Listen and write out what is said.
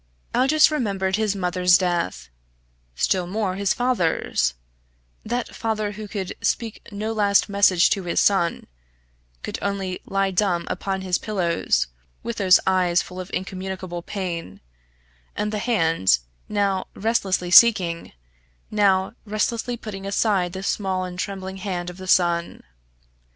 Aldous remembered his mother's death; still more his father's, that father who could speak no last message to his son, could only lie dumb upon his pillows, with those eyes full of incommunicable pain, and the hand now restlessly seeking, now restlessly putting aside the small and trembling hand of the son.